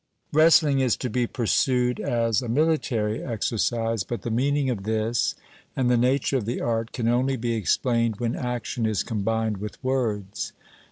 Wrestling is to be pursued as a military exercise, but the meaning of this, and the nature of the art, can only be explained when action is combined with words.